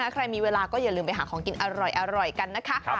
ใครมีเวลาก็อย่าลืมไปหาของกินอร่อยกันนะคะ